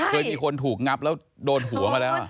เคยมีคนถูกงับแล้วโดนหัวมาแล้ว